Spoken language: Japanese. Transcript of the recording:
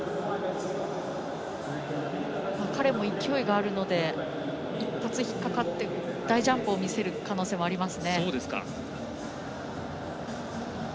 彼も勢いがあるので一発引っ掛かって大ジャンプを見せる可能性があります。